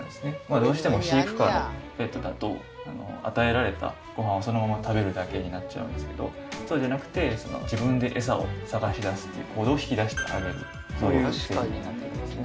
どうしても飼育下のペットだと与えられたごはんをそのまま食べるだけになっちゃうんですけどそうじゃなくて自分でエサを探し出すっていう行動を引き出してあげるそういう製品になっているんですね。